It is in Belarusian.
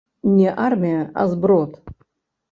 Не армія, а зброд.